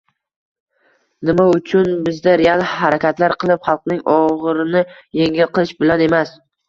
Nima uchun bizda real harakatlar qilib, xalqning og‘irini yengil qilish bilan emas